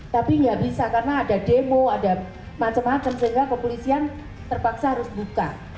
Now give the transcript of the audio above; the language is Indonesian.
tapi nggak bisa karena ada demo ada macam macam sehingga kepolisian terpaksa harus buka